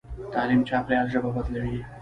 تعلیم چاپېریال ژبه بدلوي.